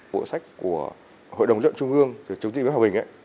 bộ sách của hội đồng dân trung ương chủ tịch bếp hòa bình ấy